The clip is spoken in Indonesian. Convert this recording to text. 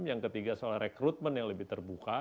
yang ketiga soal rekrutmen yang lebih terbuka